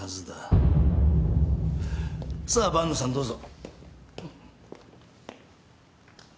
さあ万野さんどうぞ。